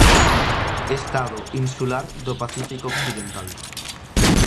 Estado insular do Pacífico occidental.